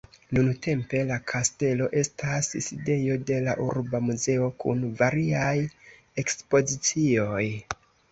Nuntempe la kastelo estas sidejo de la urba muzeo kun variaj ekspozicioj.